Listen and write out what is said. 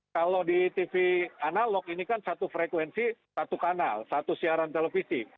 kalau di tv analog ini kan satu frekuensi satu kanal satu siaran televisi